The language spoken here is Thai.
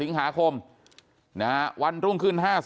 พี่สาวของเธอบอกว่ามันเกิดอะไรขึ้นกับพี่สาวของเธอ